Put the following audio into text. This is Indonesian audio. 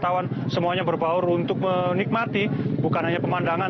wisatawan semuanya berbaur untuk menikmati bukan hanya pemandangan